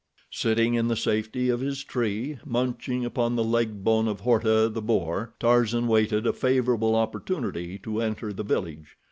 Sitting in the safety of his tree, munching upon the leg bone of Horta, the boar, Tarzan waited a favorable opportunity to enter the village.